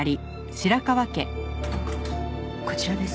こちらです。